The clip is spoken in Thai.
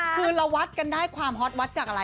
คือเราวัดกันได้ความฮอตวัดจากอะไร